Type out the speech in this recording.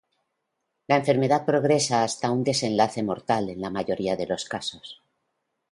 La enfermedad progresa hasta un desenlace mortal en la mayor parte de los casos.